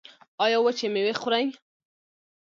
ایا وچې میوې خورئ؟